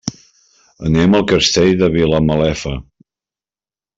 Anem al Castell de Vilamalefa.